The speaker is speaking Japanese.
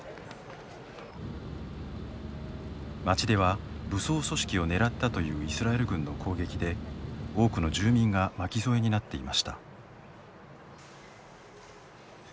町では武装組織を狙ったというイスラエル軍の攻撃で多くの住民が巻き添えになっていました。